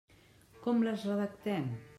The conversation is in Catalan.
Com les redactem?